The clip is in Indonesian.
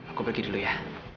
aku pergi dulu ya